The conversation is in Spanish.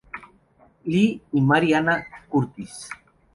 Lee y Mary Anna Curtis.